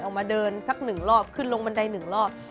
ออกมาเดินสักหนึ่งรอบขึ้นลงบันได๑รอบ